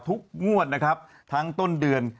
งวดนะครับทั้งต้นเดือน